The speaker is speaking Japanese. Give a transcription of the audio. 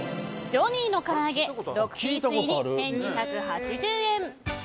ジョニーのからあげ６ピース入り１２８０円。